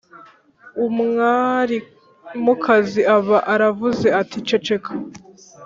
umwarimukazi aba aravuze ati ceceka!